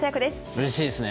うれしいですね。